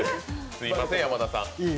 すみません、山田さん。